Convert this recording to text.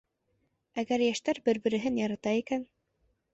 Әгәр йәштәр бер-береһен ярата икән.